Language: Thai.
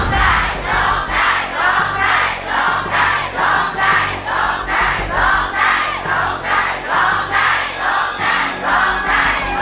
โทษใจโทษใจโทษใจโทษใจ